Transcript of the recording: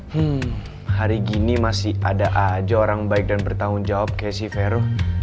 hmm hari gini masih ada aja orang baik dan bertanggung jawab kesi vero